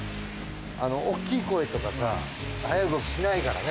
大きい声とかさ速い動きしないからね。